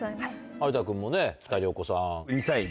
有田君もね２人お子さん。